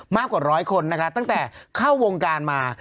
มากกว่าร้อยคนนะคะตั้งแต่เข้าวงการมา